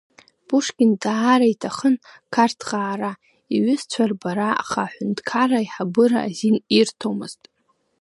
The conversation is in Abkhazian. Пушкин даара иҭахын Қарҭҟа аара, иҩызцәа рбара, аха аҳәынҭқарра аиҳабыра азин ирҭомызт.